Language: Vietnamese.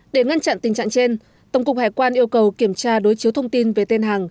để ngăn chặn tình trạng trên tổng cục hải quan yêu cầu kiểm tra đối chiếu thông tin về tên hàng